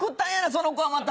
その子はまた。